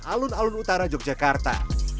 alun alun utara yogyakarta